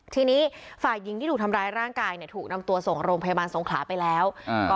ทีนี้ฝ่ายหญิงที่ถูกทำร้ายร่างกายเนี่ยถูกนำตัวส่งโรงพยาบาลสงขลาไปแล้วอ่า